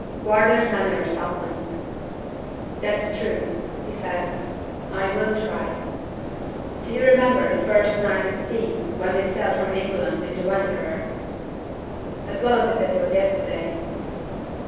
Wardour's manner softened. "That's true," he said. "I will try. Do you remember the first night at sea when we sailed from England in the Wanderer?" "As well as if it was yesterday."